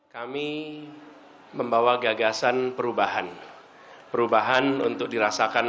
kami membawa gagasan perubahan